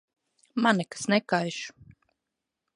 Man nekas nekaiš.